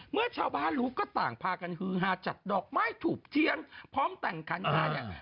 เมื่อชาวบ้านรู้ก็ต่างพากันฮือฮาจัดดอกไม้ถูกเทียนพร้อมแต่งขันมาเนี่ย